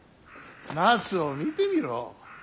ナスを見てみろ。